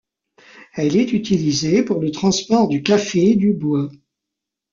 Elle est utilisée pour le transport du café et du bois.